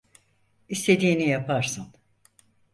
İstediğini yaparsın.